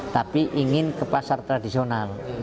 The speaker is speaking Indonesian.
tapi ingin ke pasar tradisional